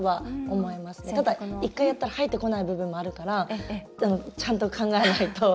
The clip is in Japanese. ただ、１回やったら生えてこない部分もあるからちゃんと考えないと。